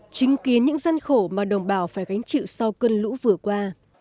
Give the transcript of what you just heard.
chứng kiến những gian khổ mà đồng bào phải gánh chịu sau cơn lũ vừa qua